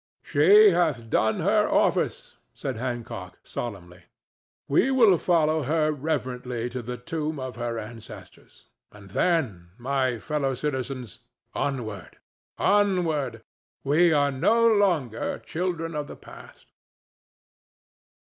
"She hath done her office," said Hancock, solemnly. "We will follow her reverently to the tomb of her ancestors, and then, my fellow citizens, onward—onward. We are no longer children of the past."